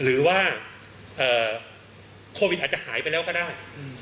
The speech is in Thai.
หรือว่าโควิดอาจจะหายไปแล้วก็ได้